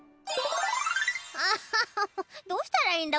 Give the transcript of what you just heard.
ああどうしたらいいんだ？